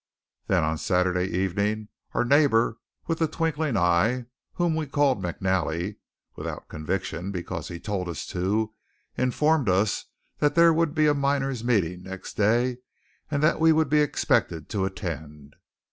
Then on Saturday evening our neighbour with the twinkling eye whom we called McNally, without conviction, because he told us to informed us that there would be a miners' meeting next day, and that we would be expected to attend.